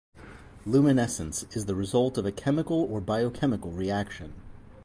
Luminescence is the result of a chemical or biochemical reaction.